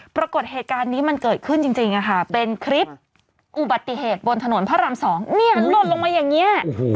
ปรากฏเหตุการณ์นี้มันเกิดขึ้นจริงเป็นคลิปอุบัติเหตุบนถนนพระราม๒เนี่ยมันหล่นลงมาอย่างนี้